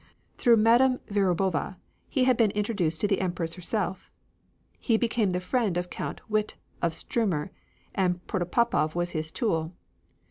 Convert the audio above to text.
Through Madame Verubova he had been introduced to the Empress herself. He became the friend of Count Witte, of Stuermer, and Protopopov was his tool.